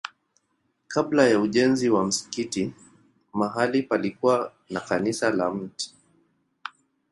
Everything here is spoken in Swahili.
Kabla ya ujenzi wa msikiti mahali palikuwa na kanisa la Mt.